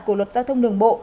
của luật giao thông đường bộ